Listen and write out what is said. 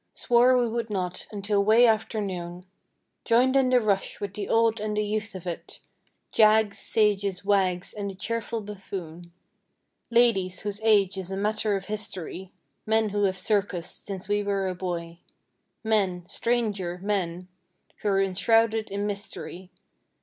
Swore we would not until 'way after noon. Joined in the rush with the old and the youth of it— Jags, sages, wags and the cheerful buffoon. Ladies, whose age is a matter of history. Men who have circused since we were a boy. Men—stranger—men, who're enshrouded in mys¬ tery.